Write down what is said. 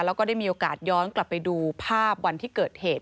แล้วก็ได้มีโอกาสย้อนกลับไปดูภาพวันที่เกิดเหตุ